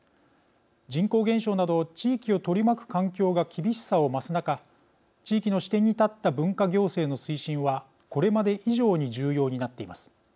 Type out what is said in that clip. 人口減少など地域を取り巻く環境が厳しさを増す中地域の視点に立った文化行政の推進はこれまで以上に重要になっています。